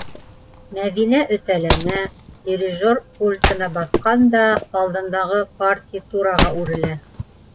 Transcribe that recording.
- Мәҙинә өтәләнә, дирижер пультына баҫҡан да алдындағы партитураға үрелә.